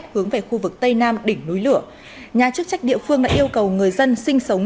hướng về khu vực tây nam đỉnh núi lửa nhà chức trách địa phương đã yêu cầu người dân sinh sống